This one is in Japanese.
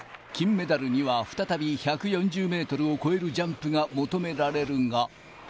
金メダルには再び１４０メートルを超えるジャンプが求められるが。